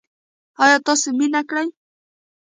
ایا تاسو مینه کړې؟